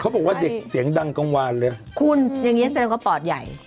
เขาบอกว่าเด็กเสียงดังกลางวานคุณอย่างนี้เสร็จแล้วก็ปอดใหญ่